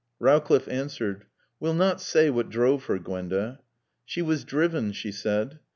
Rowcliffe answered. "We'll not say what drove her, Gwenda." "She was driven," she said.